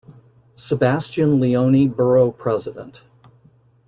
Sebastian Leone Borough President.